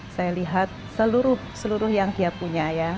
saya lihat seluruh seluruh yang dia punya ya